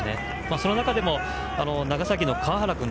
その中でも、長崎の川原君。